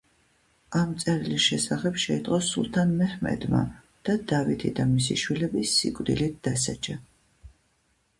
ამ წერილის შესახებ შეიტყო სულთან მეჰმედმა და დავითი და მისი შვილები სიკვდილით დასაჯა.